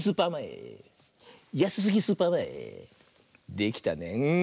できたねうん。